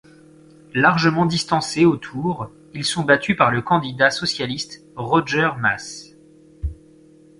Largement distancés au tour, ils sont battus par le candidat socialiste Roger Mas.